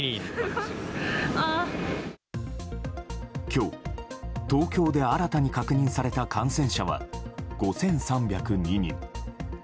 今日、東京で新たに確認された感染者は５３０２人。